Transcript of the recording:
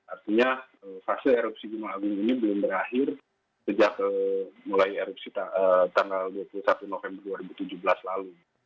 artinya fase erupsi gunung agung ini belum berakhir sejak mulai erupsi tanggal dua puluh satu november dua ribu tujuh belas lalu